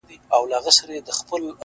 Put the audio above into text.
ستا دپښو سپين پايزيبونه زما بدن خوري-